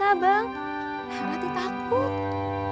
abang rati takut